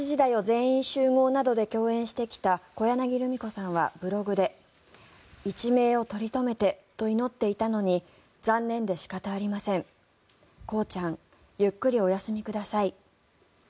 全員集合」などで共演してきた小柳ルミ子さんはブログで一命を取り留めてと祈っていたのに残念で仕方ありません工ちゃんゆっくりお休みください。